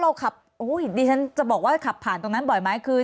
ขับดิฉันจะบอกว่าขับผ่านตรงนั้นบ่อยไหมคือ